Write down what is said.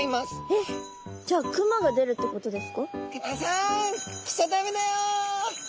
えっじゃあクマが出るってことですか？